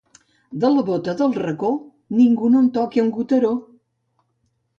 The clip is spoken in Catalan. De la bota del racó ningú no en toqui un goteró.